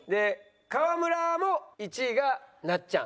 川村も１位がなっちゃん。